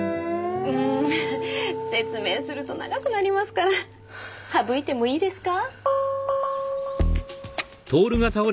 うん。説明すると長くなりますから省いてもいいですか？